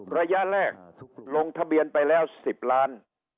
ระยะแรกลงทะเบียนไปแล้ว๑๐ล้าน